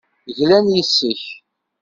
Glant yes-k.